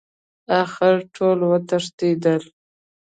اخر ټول وتښتېدل.